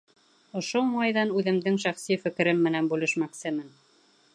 Ошо уңайҙан үҙемдең шәхси фекерем менән бүлешмәксемен.